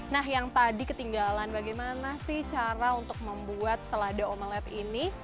nah yang tadi ketinggalan bagaimana sih cara untuk membuat selada omelette ini